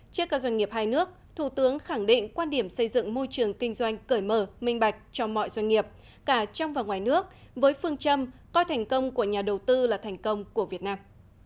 trước các doanh nghiệp hai nước thủ tướng khẳng định quan điểm xây dựng môi trường kinh doanh cởi mở minh bạch cho mọi doanh nghiệp cả trong và ngoài nước với phương châm coi thành công của nhà đầu tư là thành công của việt nam